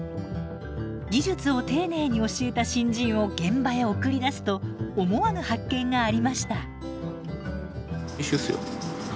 技術を丁寧に教えた新人を現場へ送り出すと思わぬ発見がありました。